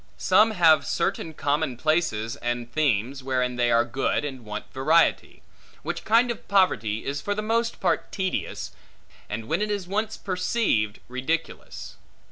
Some have certain common places, and themes, wherein they are good and want variety; which kind of poverty is for the most part tedious, and when it is once perceived, ridiculous.